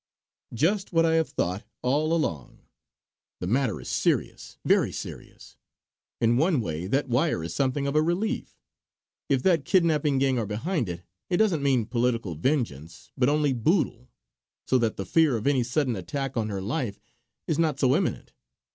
"Just what I have thought all along. The matter is serious, very serious! In one way that wire is something of a relief. If that kidnapping gang are behind it, it doesn't mean political vengeance, but only boodle; so that the fear of any sudden attack on her life is not so imminent.